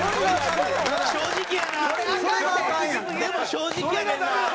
でも正直やねんな！